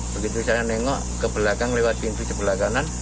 begitu saya nengok ke belakang lewat pintu sebelah kanan